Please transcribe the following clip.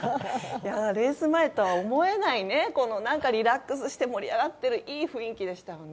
レース前とは思えないリラックスして盛り上がってるいい雰囲気でしたね。